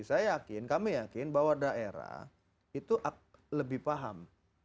saya yakin kami yakin bahwa daerah itu lebih paham